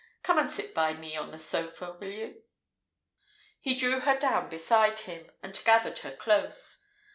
Come and sit by me on the sofa, will you?" He drew her down beside him, and gathered her close.